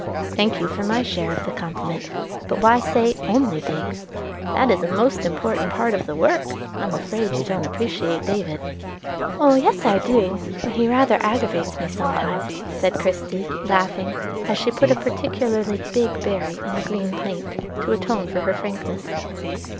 "Thank you for my share of the compliment; but why say 'only digs'? That is a most important part of the work: I'm afraid you don't appreciate David." "Oh, yes, I do; but he rather aggravates me sometimes," said Christie, laughing, as she put a particularly big berry in the green plate to atone for her frankness.